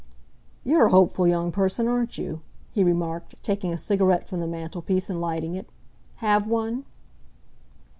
"You're a hopeful young person, aren't you?" he remarked, taking a cigarette from the mantelpiece and lighting it. "Have one?"